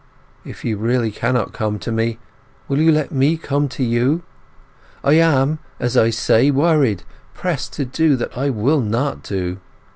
If you really cannot come to me, will you let me come to you? I am, as I say, worried, pressed to do what I will not do.